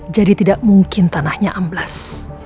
jadi tidak mungkin tanahnya amblas